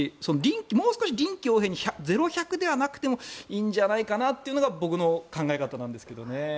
もう少し臨機応変にゼロ百ではなくてもいいんじゃないかなというのが僕の考え方なんですけどね。